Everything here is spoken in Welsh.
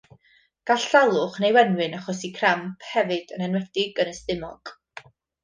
Gall salwch neu wenwyn achosi cramp hefyd, yn enwedig yn y stumog.